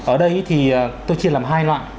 ở đây thì tôi chia làm hai loại